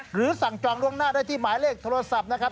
หรือสั่งจองล่วงหน้าได้ที่หมายเลขโทรศัพท์นะครับ